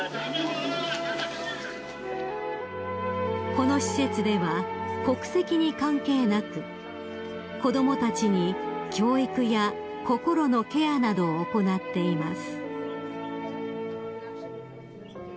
［この施設では国籍に関係なく子供たちに教育や心のケアなどを行っています］